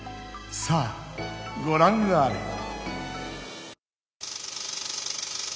さあごらんあれ！